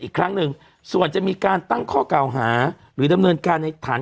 อีกครั้งหนึ่งส่วนจะมีการตั้งข้อเก่าหาหรือดำเนินการในฐาน